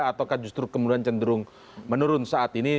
ataukah justru kemudian cenderung menurun saat ini